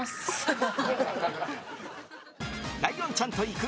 ライオンちゃんと行く！